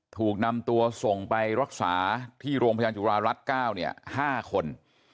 ถูกนำตัวส่งไปรักษาที่โรงพยาบาลจุฬารัฐ๙๕คน